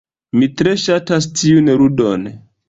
Mi tre ŝatas tiun ludon.